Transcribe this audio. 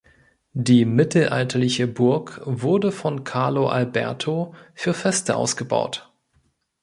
Die mittelalterliche Burg wurde von Carlo Alberto für Feste ausgebaut.